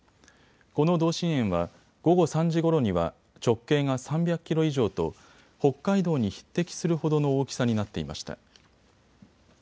この同心円は午後３時ごろには直径が３００キロ以上と北海道に匹敵するほどの大きさになっていました。